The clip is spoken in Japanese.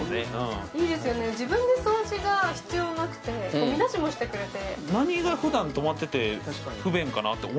いいですよね、自分で掃除が必要なくてごみ出しもしてくれて。